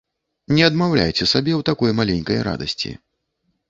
Не адмаўляйце сабе ў такой маленькай радасці.